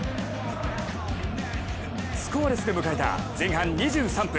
スコアレスで迎えた前半２３分。